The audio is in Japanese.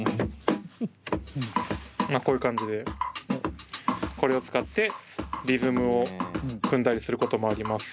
まあこういう感じでこれを使ってリズムを踏んだりすることもあります。